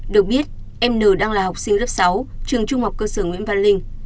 được biết em n đang là học sinh lớp sáu trường trung học cơ sở nguyễn văn linh